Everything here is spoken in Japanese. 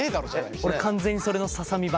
俺完全にそれのささ身版。